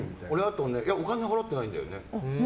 お金は払ってないんだよね。